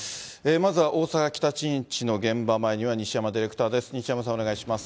まずは大阪・北新地の現場前には西山ディレクターです。